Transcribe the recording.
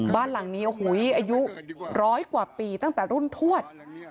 บ้านหลังนี้โอ้โหอายุร้อยกว่าปีตั้งแต่รุ่นทวด